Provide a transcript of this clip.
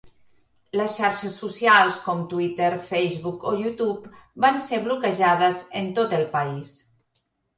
Les xarxes socials com Twitter, Facebook o YouTube van ser bloquejades en tot el país.